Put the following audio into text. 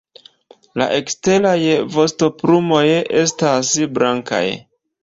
La eksteraj vostoplumoj estas blankaj.